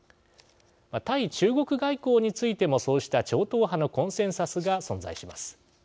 対中国外交についてもそうした超党派のコンセンサスが存在します。